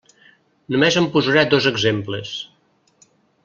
Només en posaré dos exemples.